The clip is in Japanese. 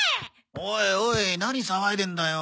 おいおい何騒いでんだよ。